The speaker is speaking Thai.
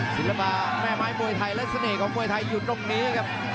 ศิลปะแม่ไม้มวยไทยและเสน่ห์ของมวยไทยอยู่ตรงนี้ครับ